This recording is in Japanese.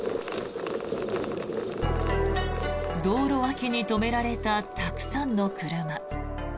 道路脇に止められたたくさんの車。